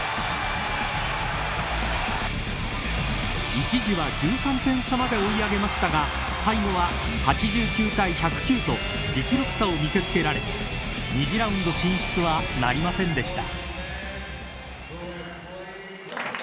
一時は１３点差まで追い上げましたが最後は、８９対１０９と実力差を見せつけられ２次ラウンド進出はなりませんでした。